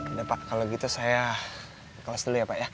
udah pak kalau gitu saya kelas dulu ya pak ya